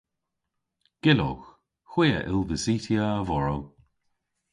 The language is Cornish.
Gyllowgh. Hwi a yll vysytya a-vorow.